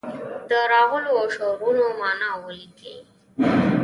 د راغلو شعرونو معنا ولیکي.